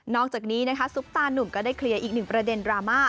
อกจากนี้นะคะซุปตานุ่มก็ได้เคลียร์อีกหนึ่งประเด็นดราม่า